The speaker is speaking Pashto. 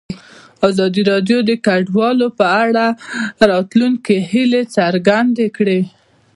ازادي راډیو د کډوال په اړه د راتلونکي هیلې څرګندې کړې.